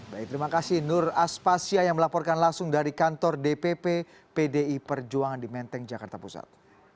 baik terima kasih nur aspasya yang melaporkan langsung dari kantor dpp pdi perjuangan di menteng jakarta pusat